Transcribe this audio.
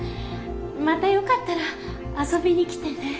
またよかったらあそびに来てね。